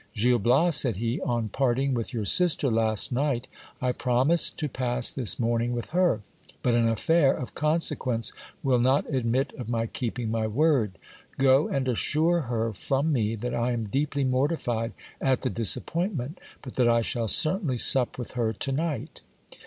Gil Bias, said he, on parting with your sister last night, I promised to pass this morning with her ; but an affair of consequence will not admit of my keeping my word. Go and assure her from me that I am deeply mortified at the dis appointment, but that I shall certainly sup with her to night.